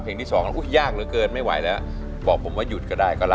เพลงแรกผ่านไปละ